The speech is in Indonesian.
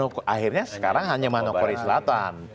akhirnya sekarang hanya manokwari selatan